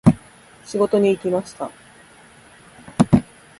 仕事に行きました。